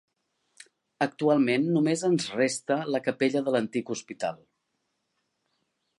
Actualment només ens resta la capella de l'antic hospital.